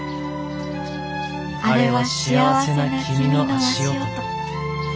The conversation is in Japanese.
あれは幸せな君の足音。